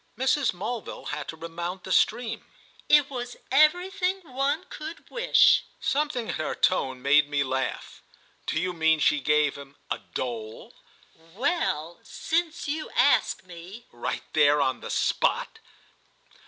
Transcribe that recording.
Mrs. Mulville had to remount the stream. "It was everything one could wish." Something in her tone made me laugh. "Do you mean she gave him—a dole?" "Well, since you ask me!" "Right there on the spot?"